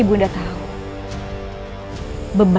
aku mau mengetahui tentang saya